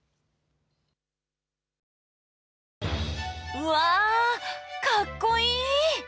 うわかっこいい！